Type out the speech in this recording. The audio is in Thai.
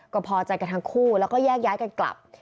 ก็พอใจกันทั้งคู่แล้วก็แยกย้ายกันกลับ